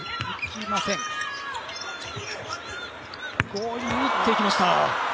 強引に打ってきました。